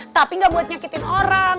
tapi gak buat nyakitin orang